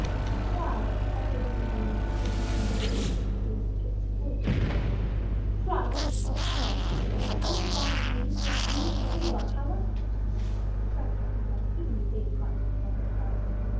"Pride!" echoed the wondering Inez, to whom her own position appeared to exclude such an idea: "pride!" she repeated passionately, "when I would go on my knees to obtain the liberty of Alcala!" "Scarcely, I suspect, even to save his life," said the governor's daughter.